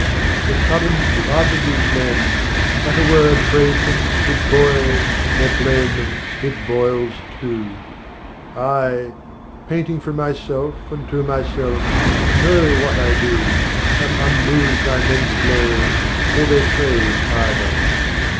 The sudden blood of these men! at a word Praise them, it boils, or blame them, it boils too. I, painting from myself and to myself, Know what I do, am unmoved by men's blame Or their praise either.